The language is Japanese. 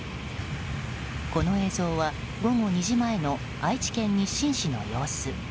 この映像は、午後２時前の愛知県日進市の様子。